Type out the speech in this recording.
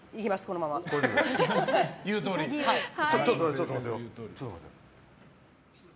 ちょっと待ってよ。